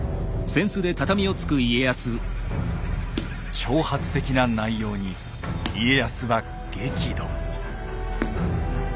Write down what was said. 挑発的な内容に家康は激怒。